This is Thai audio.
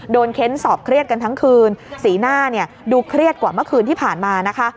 เค้นสอบเครียดกันทั้งคืนสีหน้าเนี่ยดูเครียดกว่าเมื่อคืนที่ผ่านมานะคะ